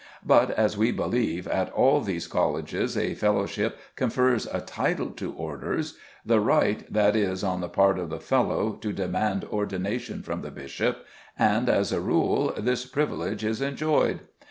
But, as we believe, at all these colleges a fellowship confers a title to orders, the right, that is, on the part of the fellow to demand ordination from the bishop; and, as a rule, this privilege is enjoyed.